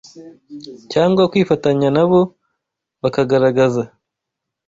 cyangwa kwifatanya na bo, bakagaragaza